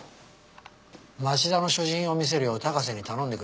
町田の所持品を見せるよう高瀬に頼んでくれるか？